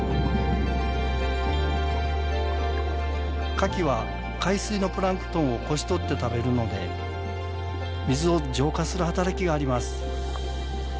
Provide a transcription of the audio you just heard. カキは海水のプランクトンをこし取って食べるので水を浄化する働きがあります。